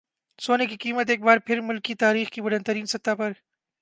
سونے کی قیمت ایک بار پھر ملکی تاریخ کی بلند ترین سطح پر